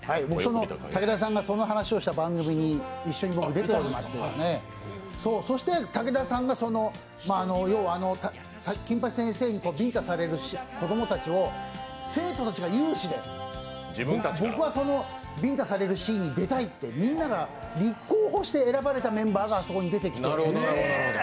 武田さんがその話をした番組に一緒に僕出ておりまして、そして武田さんが、金八先生にビンタされる子供たち、生徒たちが有志で、僕がビンタされるシーン出たいって、みんなが立候補して選ばれたメンバーがあそこに出てきて